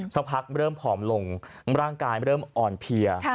สักพักเริ่มผอมลงร่างกายเริ่มอ่อนเพลีย